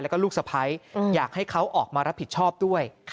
แล้วก็ลูกสะพ้ายอยากให้เขาออกมารับผิดชอบด้วย